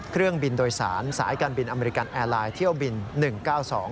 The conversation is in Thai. เครื่องบินโดยสารสายการบินอเมริกันแอร์ไลน์เที่ยวบิน๑๙๒